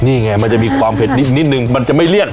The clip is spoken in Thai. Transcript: นี่ไงมันจะมีความเผ็ดนิดนึงมันจะไม่เลี่ยน